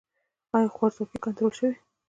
آیا خوارځواکي کنټرول شوې؟